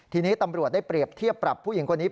ทีนี้ตำรวจได้เปรียบเทียบปรับผู้หญิงคนนี้